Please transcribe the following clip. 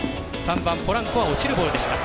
３番、ポランコは落ちるボールでした。